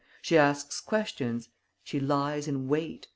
She asks questions. She lies in wait.